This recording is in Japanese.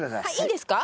いいですか？